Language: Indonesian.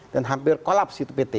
dan hampir kolaps itu pt